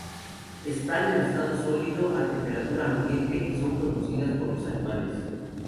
Están en estado sólido a temperatura ambiente, y son producidas por los animales.